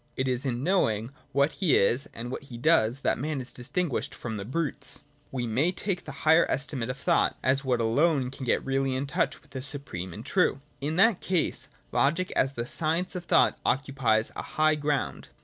It is in knowing what he is and what he does, that man is distinguished from the brutes. But we may take the higher estimate of thought — as what alone can get really in touch with the supreme and true. In that case. Logic as the science of thought occupies a high ground.